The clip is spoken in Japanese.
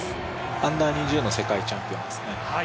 Ｕ−２０の世界チャンピオンですね。